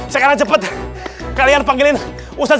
saya ajak ustadz